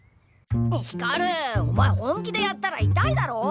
光お前本気でやったら痛いだろ。